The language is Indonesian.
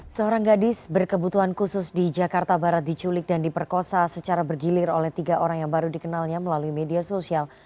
seorang gadis berkebutuhan khusus di jakarta barat diculik dan diperkosa secara bergilir oleh tiga orang yang baru dikenalnya melalui media sosial